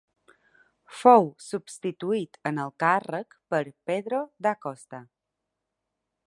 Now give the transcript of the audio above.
Fou substituït en el càrrec per Pedro da Costa.